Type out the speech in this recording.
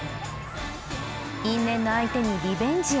因縁の相手にリベンジを。